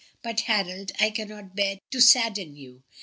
But, Harold, I cannot bear to sadden you.